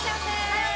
はい！